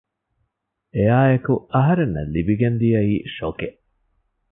އެއާއެކު އަހަރެންނަށް ލިބިގެން ދިޔައީ ޝޮކެއް